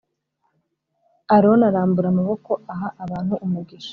Aroni arambura amaboko aha abantu umugisha